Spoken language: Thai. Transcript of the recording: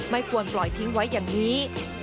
ไม่ควรปล่อยทิ้งไว้อย่างนี้